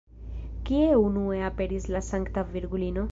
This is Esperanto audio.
Kie unue aperis la Sankta Virgulino?